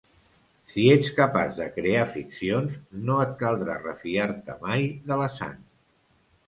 Si ets capaç de crear ficcions no et caldrà refiar-te mai de la sang.